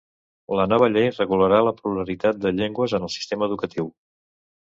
La nova llei regularà la pluralitat de llengües en el sistema educatiu.